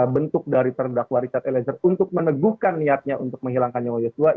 bentuk dari perdakwa richard eliezer untuk meneguhkan niatnya untuk menghilangkan yogyakarta ii